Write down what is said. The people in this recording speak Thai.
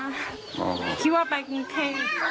ดูที่ว่าถือไปกรุงเทศ